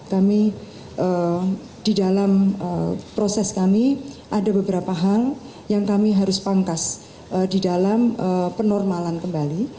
kami di dalam proses kami ada beberapa hal yang kami harus pangkas di dalam penormalan kembali